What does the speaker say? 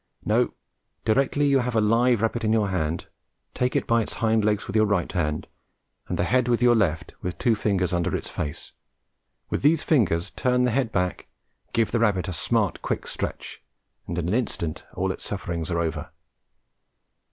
No, directly you have a live rabbit in your hand, take it by its hind legs with your right hand, and the head with your left, with two fingers under its face; with these fingers turn the head back, and give the rabbit a smart quick stretch, and in an instant all its sufferings are over.